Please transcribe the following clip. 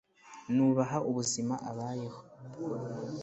nubaha ubuzima abayemo